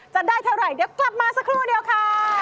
จะได้เท่าไหร่เดี๋ยวกลับมาสักครู่เดียวค่ะ